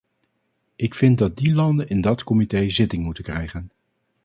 Ik vind dat die landen in dat comité zitting moeten krijgen.